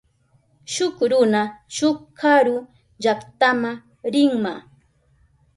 Shuk runa shuk karu llaktama rinma.